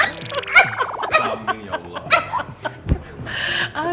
kami ya allah